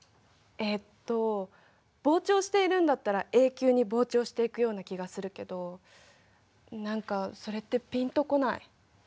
えっと膨張しているんだったら永久に膨張していくような気がするけど何かそれってピンとこない。